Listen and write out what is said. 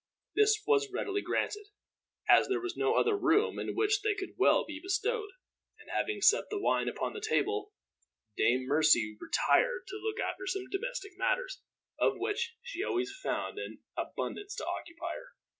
This was readily granted, as there was no other room in which they could well be bestowed; and having set the wine upon the table, Dame Mercy retired to look after domestic matters, of which she always found an abundance to occupy her.